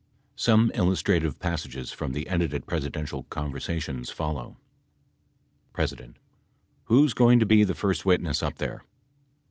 Some illustrative passages from the edited Presidential conversations follow : P. Who is going to be the first witness up there